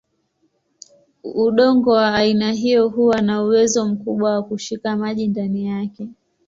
Udongo wa aina hiyo huwa na uwezo mkubwa wa kushika maji ndani yake.